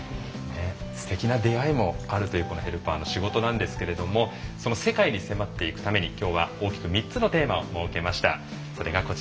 すてきな出会いもあるというヘルパーの仕事なんですがその世界に迫っていくために今日は大きく３つのテーマを設けました。